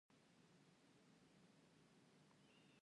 د رمو ساتل د پښتنو پخوانی کسب دی.